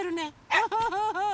ウフフフ！